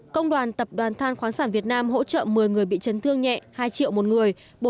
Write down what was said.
công đoàn tập đoàn than khoáng sản việt nam hỗ trợ một mươi người bị chấn thương nhẹ hai triệu một người